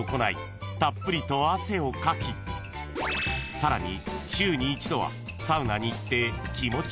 ［さらに］